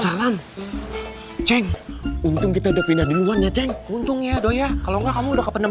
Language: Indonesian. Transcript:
salam ceng untung kita udah pindah duluan ya ceng untung ya doya kalau nggak kamu udah kependam